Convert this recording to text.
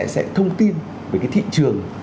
sẽ thông tin về cái thị trường